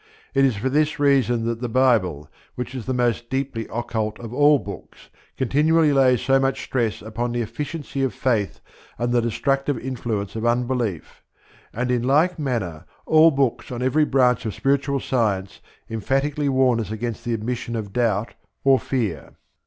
It is for this reason that the Bible, which is the most deeply occult of all books, continually lays so much stress upon the efficiency of faith and the destructive influence of unbelief; and in like manner, all books on every branch of spiritual science emphatically warn us against the admission of doubt or fear.